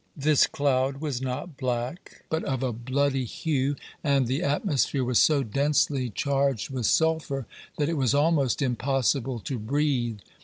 This cloud was not black, but of a bloody hue, and the atmosphere was so densely charged with sulphur that it was almost impossible to breathe.